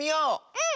うん！